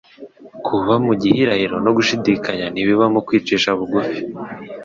Kuba mu gihirahiro no gushidikanya ntibibamo kwicisha bugufi.